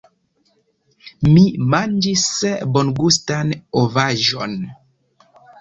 Mi manĝis bongustan ovaĵon.